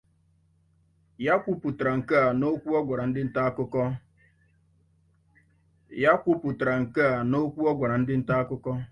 ya kwupụtara nke a n'okwu ọ gwara ndị nta akụkọ.